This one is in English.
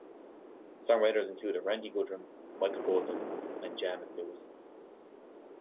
Songwriters included Randy Goodrum, Michael Bolton and Jam and Lewis.